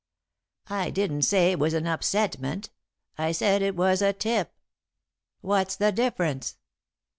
"I didn't say it was an upsetment I said it was a tip." "What's the difference?"